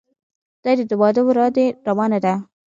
دادی د واده ورا دې روانه ده.